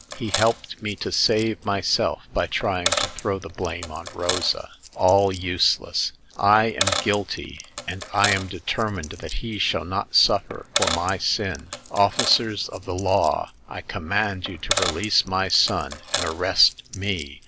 He helped me to save myself by trying to throw the blame on Rosa. All use less. I am guilty, and I am determined that he shall not suffer for my sin. Officers of the law, I command you to release my son and arrest me.